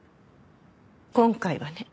今回はね。